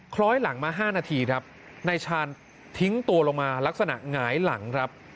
คล้อยหลังมา๕นาทีครับนายชาญทิ้งตัวลงมาลักษณะหงายหลังครับ